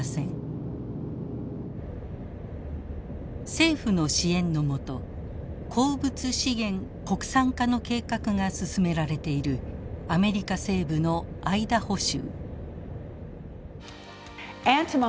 政府の支援の下鉱物資源国産化の計画が進められているアメリカ西部のアイダホ州。